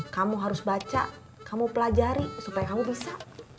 kamu harus baca kamu pelajari supaya kamu bisa